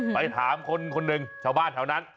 ไปถามคนหนึ่งชาวบ้านแถวนั้น